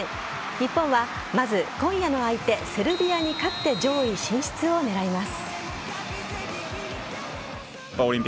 日本はまず今夜の相手・セルビアに勝って上位進出を狙います。